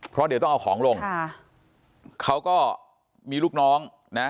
เพราะเดี๋ยวต้องเอาของลงค่ะเขาก็มีลูกน้องนะ